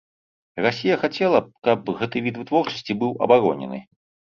Расія хацела б, каб гэты від вытворчасці быў абаронены.